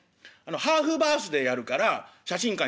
「ハーフバースデーやるから写真館予約して」って。